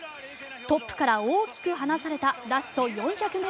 トップから大きく離されたラスト４００ｍ。